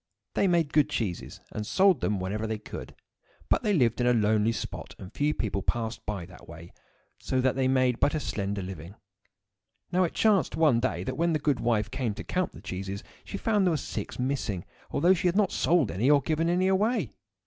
They made good cheeses, and sold them whenever they could; but they lived in a lonely spot, and few people passed by that way, so that they made but a slender living. Now it chanced one day that when the good wife came to count the cheeses she found that there were six missing, although she had not sold any or given them away.